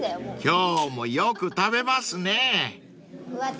［今日もよく食べますね］